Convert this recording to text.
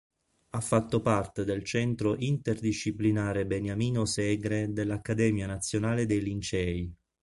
Ha fatto parte del Centro Interdisciplinare Beniamino Segre dell'Accademia Nazionale dei Lincei.